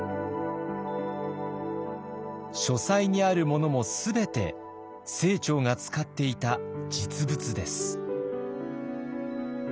書斎にあるものも全て清張が使っていた実物です。